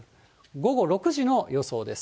午後６時の予想です。